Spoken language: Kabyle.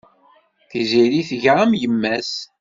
Tiziri tga am yemma-s.